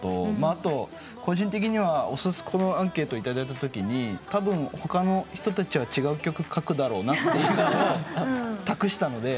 あと個人的にはこのアンケート頂いたときに「たぶん他の人たちは違う曲書くだろうな」というのを託したので。